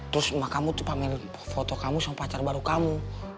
terus emak kamu tuh panggil foto kamu sama pacar baru kamu